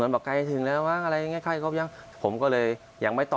ส่งรูปสลิปมาให้เหมือนคือของออนไลน์อย่างนี้